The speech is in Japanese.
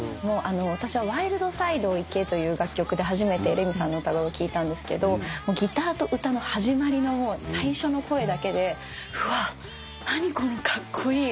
私は『ワイルド・サイドを行け』という楽曲で初めてレミさんの歌声を聞いたんですけどギターと歌の始まりの最初の声だけでうわ何このカッコイイ。